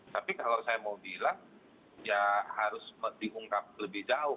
tapi kalau saya mau bilang ya harus diungkap lebih jauh